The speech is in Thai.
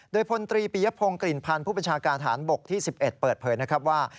โดยพลตรีปียพงศ์กลิ่นพันธ์ผู้บัญชาการฐานบกที่๑๑เปิดเผยนะครับว่า